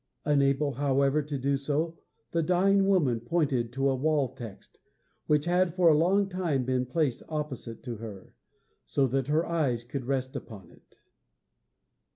Unable, however, to do so, the dying woman pointed to a wall text, which had for a long time been placed opposite to her, so that her eyes could rest upon it.